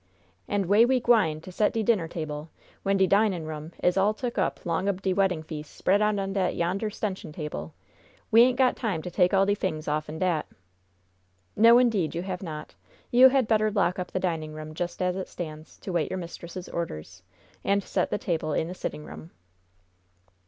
"An' whey we gwine to set de dinner table, w'en de dinin' room is all took up long ob de weddin' feas' spread out on dat yonder stension table? We ain't got time to take all de fings offen dat!" "No, indeed, you have not. You had better lock up the dining room, just as it stands, to wait your mistress' orders, and set the table in the sitting room."